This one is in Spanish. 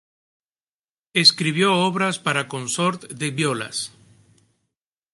Escribió obras para consort de violas.